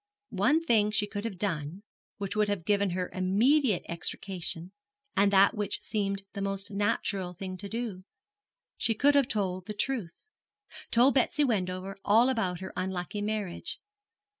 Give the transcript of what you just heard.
One thing she could have done which would have given her immediate extrication, and that which seemed the most natural thing to do. She could have told the truth told Betsy Wendover all about her unlucky marriage.